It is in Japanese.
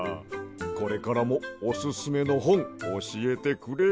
これからもオススメのほんおしえてくれや。